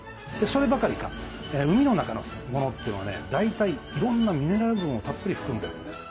そればかりか海の中のものというのはね大体いろんなミネラル分をたっぷり含んでるんです。